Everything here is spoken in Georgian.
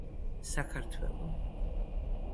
საქართველო.